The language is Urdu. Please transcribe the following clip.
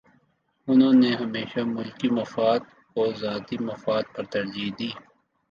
انہوں نے ہمیشہ ملکی مفاد کو ذاتی مفاد پر ترجیح دی۔